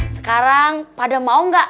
sekarang pada mau gak